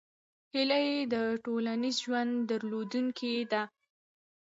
هیلۍ د ټولنیز ژوند درلودونکې ده